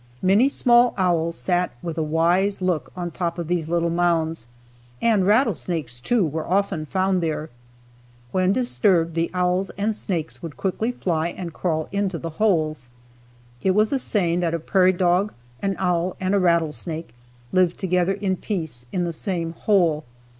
Many small owls sat with a wise look on top of these little mounds, and rattlesnakes, too, were often found there. When disturbed the owls and snakes would quickly fly and crawl into the holes. It was a saying that a prairie dog, an owl and a rattlesnake lived together in peace in the same hole.